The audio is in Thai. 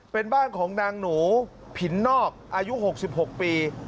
เป็นบ้านของนางหนูผินนอกอายุ๖๖ปี